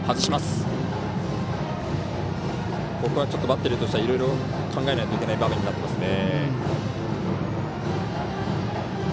バッテリーとしてはいろいろ考えないといけない場面になってますね。